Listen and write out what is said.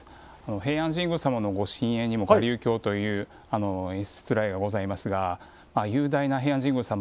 平安神宮様のご神苑にも臥龍橋というしつらえがございますが雄大な平安神宮様